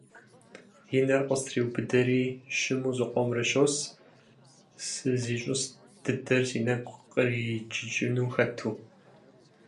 И нэр къыстреубыдэри, щыму зыкъомрэ щос, сызищӀыс дыдэр си нэгу къриджыкӀыну хэту.